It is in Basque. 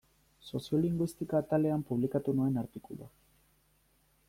Soziolinguistika atalean publikatu nuen artikulua.